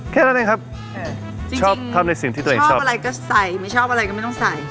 แค่นั้นเองครับเออจริงจริงชอบอะไรก็ใส่ไม่ชอบอะไรก็ไม่ต้องใส่